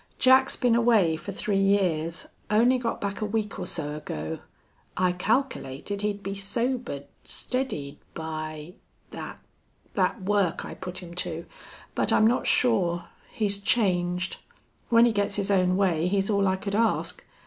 "Jack's been away fer three years. Only got back a week or so ago. I calkilated he'd be sobered, steadied, by thet thet work I put him to. But I'm not sure. He's changed. When he gits his own way he's all I could ask.